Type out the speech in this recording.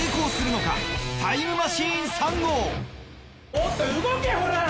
もっと動けほら！